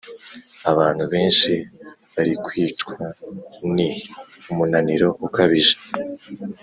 Abantu benshi barikwicwa ni umunaniro ukabije